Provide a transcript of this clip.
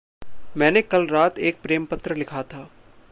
मैंने कल रात एक प्रेम पत्र लिखा था।